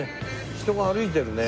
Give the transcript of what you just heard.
人が歩いてるね。